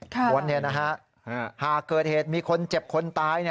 คนหากเกิดเหตุมีคนเจ็บคนตาย